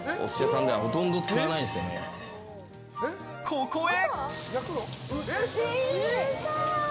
ここへ。